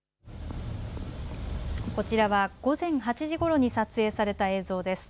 こちらは午前８時ごろに撮影された映像です。